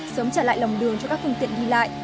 sớm trả lại lòng đường cho các phương tiện đi lại